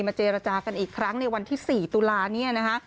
มาเจรจากันอีกครั้งในวันที่๔ตุลาคม